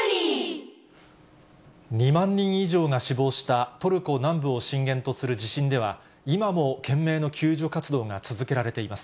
２万人以上が死亡したトルコ南部を震源とする地震では、今も懸命の救助活動が続けられています。